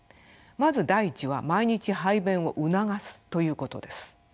まず第１は毎日排便を促すということです。